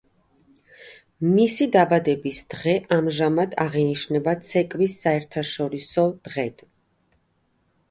მისი დაბადების დღეს ამჟამად აღინიშნება ცეკვის საერთაშორისო დღე.